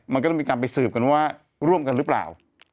มันก็ต้องมีการไปสืบกันว่าร่วมกันหรือเปล่า